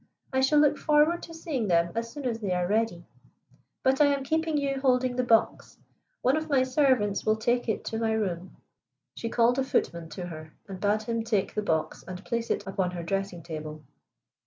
I shall look forward to seeing them as soon as they are ready. But I am keeping you holding the box. One of my servants will take it to my room." She called a footman to her, and bade him take the box and place it upon her dressing table.